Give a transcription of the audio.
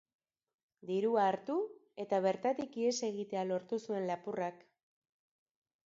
Dirua hartu, eta bertatik ihes egitea lortu zuen lapurrak.